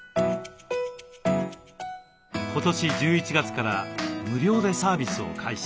今年１１月から無料でサービスを開始。